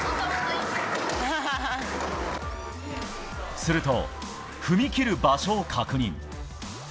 すると、踏み切る場所を確認。